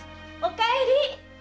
〔おかえり！